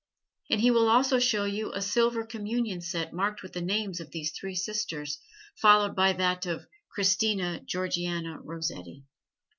And he will also show you a silver communion set marked with the names of these three sisters, followed by that of "Christina Georgiana Rossetti."